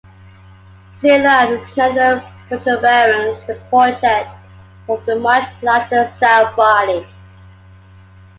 Cilia are slender protuberances that project from the much larger cell body.